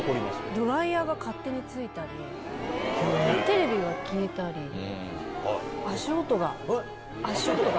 ドライヤーが勝手についたり、テレビが消えたり、足音が、足音が。